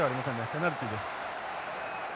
ペナルティです。